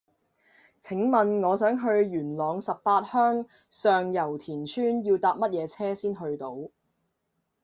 請問我想去元朗十八鄉上攸田村要搭乜嘢車先去到